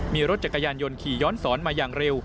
มีรถจักรยานยนต์ขี่ย้อนสอนมาอย่างเร็ว